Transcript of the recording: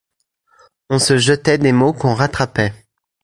On se jetait des mots qu’on rattrapait.